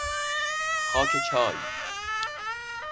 خاک چای